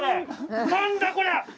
何だこれは。